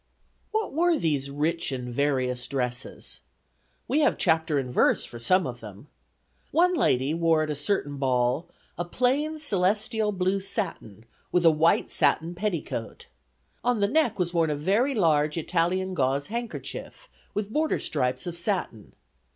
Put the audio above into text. What were these rich and various dresses? We have chapter and verse for some of them. One lady wore at a certain ball "a plain celestial blue satin, with a white satin petticoat. On the neck was worn a very large Italian gauze handkerchief, with border stripes of satin.